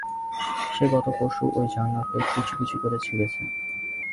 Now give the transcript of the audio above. সে গত পরশু ঐ জার্নাল পেয়ে কুচিকুচি করেছিঁড়েছে।